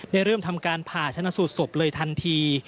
เริ่มทำการผ่าชนะสูตรศพเลยทันที